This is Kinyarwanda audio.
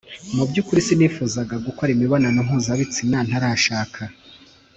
Mu by’ukuri sinifuzaga gukora imibonano mpuzabitsina ntarashaka